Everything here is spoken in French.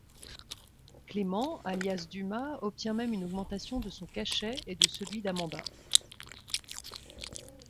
Clément alias Dumas obtient même une augmentation de son cachet et de celui d'Amanda.